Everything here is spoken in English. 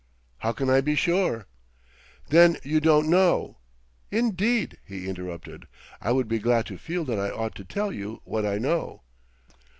"How can I be sure?" "Then you don't know !" "Indeed," he interrupted, "I would be glad to feel that I ought to tell you what I know."